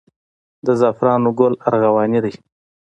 د زعفرانو ګل ارغواني دی